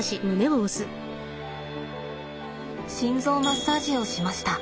心臓マッサージをしました。